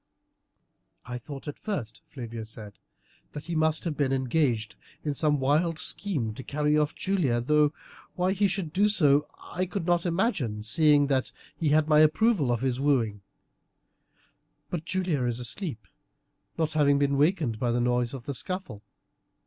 "I thought at first," Flavia said, "that he must have been engaged in some wild scheme to carry off Julia, though why he should do so I could not imagine, seeing that he had my approval of his wooing; but Julia is asleep, not having been a wakened by the noise of the scuffle.